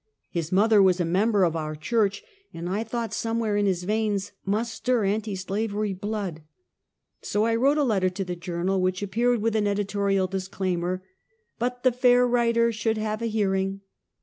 His mother was a member of our church, and I thought somewhere in his veins must stir anti slavery blood. So I wrote a letter to the Journal, which appeared with an editorial disclaimer, "but the fair writer should have a hear ing."